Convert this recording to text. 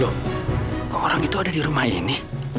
loh kok orang itu ada di rumah ini